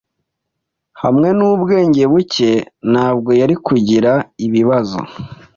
Hamwe nubwenge buke, ntabwo yari kugira ibibazo.